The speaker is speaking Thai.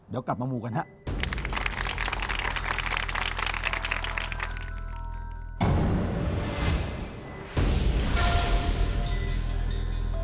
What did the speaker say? เดี๋ยวกลับมามูกันครับ